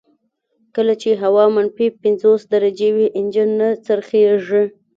کله چې هوا منفي پنځوس درجې وي انجن نه څرخیږي